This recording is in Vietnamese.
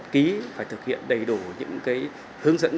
ký phải thực hiện đầy đủ những hướng dẫn